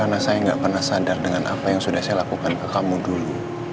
karena saya gak pernah sadar dengan apa yang sudah saya lakukan ke kamu dulu